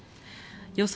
予想